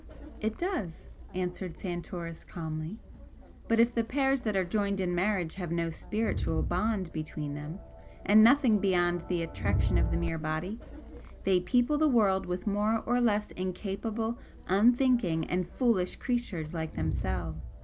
"It does," answered Santoris, calmly "But if the pairs that are joined in marriage have no spiritual bond between them and nothing beyond the attraction of the mere body they people the world with more or less incapable, unthinking and foolish creatures like themselves.